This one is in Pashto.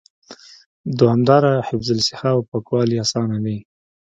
دوامدار حفظ الصحه او پاکوالي آسانه دي